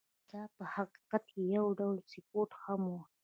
خو دا په حقیقت کې یو ډول سپورت هم و.